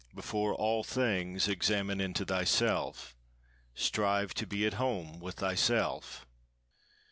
—Before all things examine into thyself: strive to be at home with thyself!